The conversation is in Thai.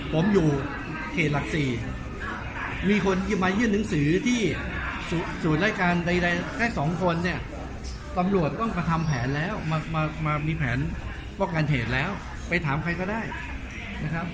ผมอยู่เขตหลัก๔มีคนที่มายื่นหนังสือที่ศูนย์รายการใดแค่สองคนเนี่ยตำรวจต้องมาทำแผนแล้วมามีแผนป้องกันเหตุแล้วไปถามใครก็ได้นะครับ